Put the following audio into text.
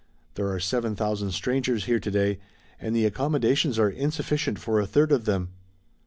There are seven thousand strangers here to day and the accommodations are insufficient for a third of them."